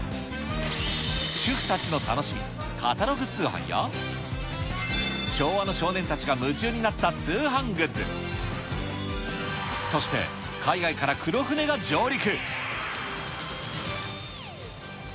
主婦たちの楽しみ、カタログ通販や、昭和の少年たちが夢中になった通販グッズ、そして、海外から黒船が上陸。